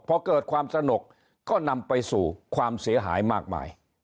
พอเกิดความสนุกก็นำไปสู่ความเสียหายมากมาย